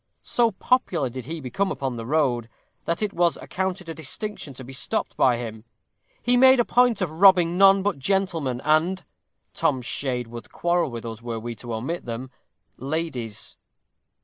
So popular did he become upon the road, that it was accounted a distinction to be stopped by him; he made a point of robbing none but gentlemen, and Tom's shade would quarrel with us were we to omit them ladies.